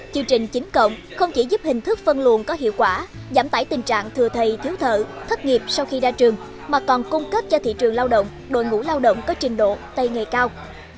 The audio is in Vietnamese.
chương trình chín cộng không chỉ giúp hình thức phân luận có hiệu quả giảm tải tình trạng thừa thầy thiếu thợ thất nghiệp sau khi ra trường mà còn cung cấp cho thị trường lao động đội ngũ lao động có trình độ tây nghề cao